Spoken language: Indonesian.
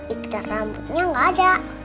ikat rambutnya nggak ada